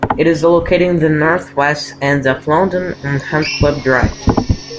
It is located in the north-west end of London on Hunt Club Drive.